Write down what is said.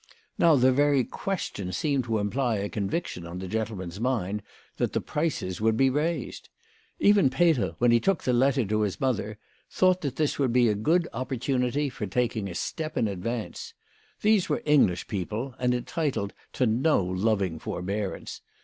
Now the very question seemed to imply a con viction on the gentleman's mind that the prices would be raised. Even Peter, when he took the letter to his mother, thought that this would be a good opportunity for taking a step in advance. These were English people, and entitled to no loving forbearance.